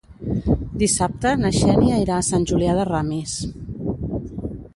Dissabte na Xènia irà a Sant Julià de Ramis.